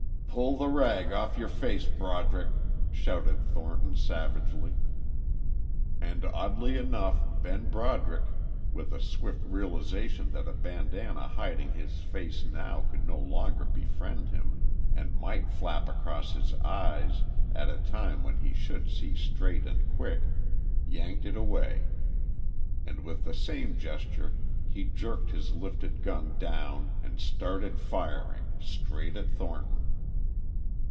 "Pull the rag off your face, Broderick!" shouted Thornton savagely. And oddly enough Ben Broderick, with a swift realization that a bandana hiding his face now could no longer befriend him and might flap across his eyes at a time when he should see straight and quick, yanked it away. And with the same gesture, he jerked his lifted gun down and started firing, straight at Thornton.